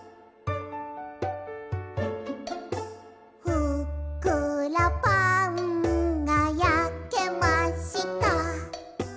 「ふっくらパンが焼けました」